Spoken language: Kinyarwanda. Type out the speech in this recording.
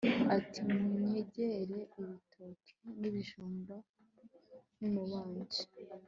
ati munyegereze ibitoke n'ibijumba n'umubanji